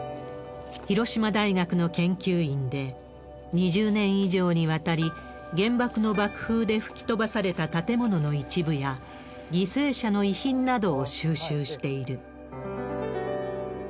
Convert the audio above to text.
広島大学の研究員で、２０年以上にわたり、原爆の爆風で吹き飛ばされた建物の一部や、犠牲者の遺品などを収集している。